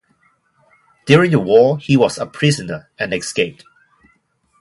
During the war, he was a prisoner and escaped.